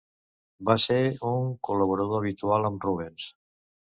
Va ser un col·laborador habitual amb Rubens.